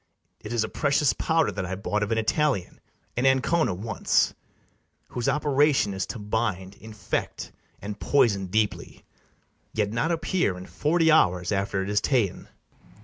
It is a precious powder that I bought Of an Italian, in Ancona, once, Whose operation is to bind, infect, And poison deeply, yet not appear In forty hours after it is ta'en.